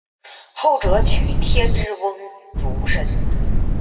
后者娶天之瓮主神。